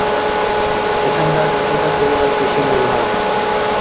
এখানকার বেশীরভাগ পরিবার কৃষি নির্ভর।